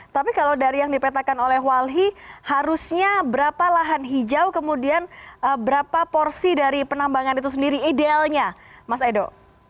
tapi kalau dari yang dipetakan oleh walhi harusnya berapa lahan hijau kemudian berapa porsi dari penambangan itu sendiri idealnya mas edo